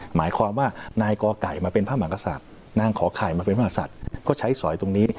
หมายความว่านายกอไก่มาเป็นพระมหากษัตริย์นางขอไข่มาเป็นพระมหาศัตริย์ก็ใช้สอยตรงนี้